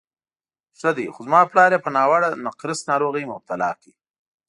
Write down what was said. ښه دی، خو زما پلار یې په ناوړه نقرس ناروغۍ مبتلا کړ.